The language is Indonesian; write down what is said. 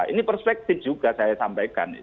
ini perspektif juga saya sampaikan